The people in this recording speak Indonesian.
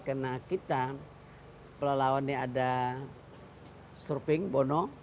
karena kita pelawannya ada surfing bono